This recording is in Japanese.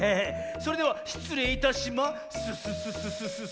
それではしつれいいたしまスススススススッ。